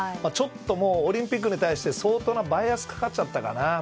ちょっともうオリンピックに対して相当なバイアスがかかっちゃったかな。